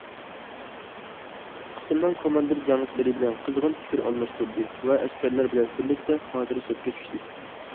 قىسىمنىڭ كوماندىر جەڭچىلىرى بىلەن قىزغىن پىكىر ئالماشتۇردى ۋە ئەسكەرلەر بىلەن بىرلىكتە خاتىرە سۈرەتكە چۈشتى.